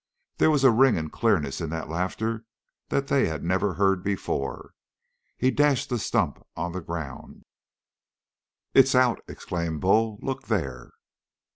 There was a ring and clearness in that laughter that they had never heard before. He dashed the stump on the ground. "It's out!" exclaimed Bull. "Look there!"